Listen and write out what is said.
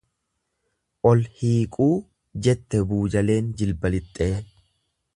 Ol hiiquu, jette buujaleen jilba lixxee.